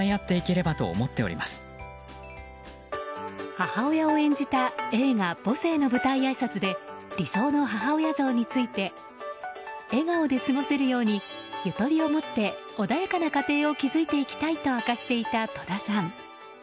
母親を演じた映画「母性」の舞台あいさつで理想の母親像について笑顔で過ごせるようにゆとりを持って穏やかな家庭を築いていきたいと明かしていた戸田さん。